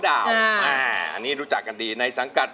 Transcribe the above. อันนี้รู้จักกันดีในสังกัด